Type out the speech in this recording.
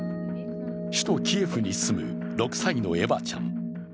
首都キエフに住む６歳のエバちゃん。